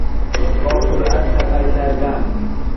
با سرعت سفر کردن